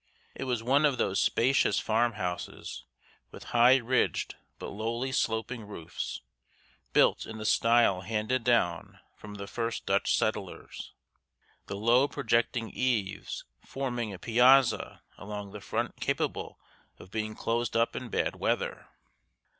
It was one of those spacious farmhouses with high ridged but lowly sloping roofs, built in the style handed down from the first Dutch settlers, the low projecting eaves forming a piazza along the front capable of being closed up in bad weather.